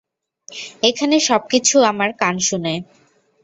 এখানের সবকিছু আমার কান শুনে।